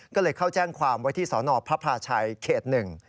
ก็เลยเขาแจ้งความไว้ที่สนพระพระชัยเขต๑